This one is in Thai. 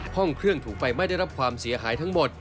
ห้องเครื่องถูกไฟไหม้ได้รับความเสียหายทั้งหมด